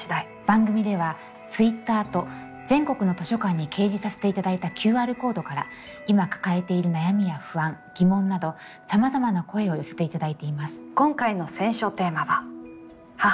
番組ではＴｗｉｔｔｅｒと全国の図書館に掲示させていただいたＱＲコードから今抱えている悩みや不安疑問などさまざまな声を寄せていただいています。